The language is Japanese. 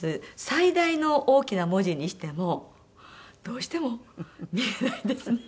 最大の大きな文字にしてもどうしても見えないんですね。